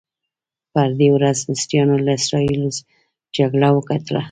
په دې ورځ مصریانو له اسراییلو جګړه وګټله.